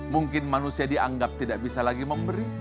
mungkin manusia dianggap tidak bisa lagi memberi